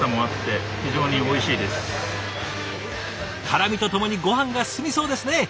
辛みとともにごはんが進みそうですね。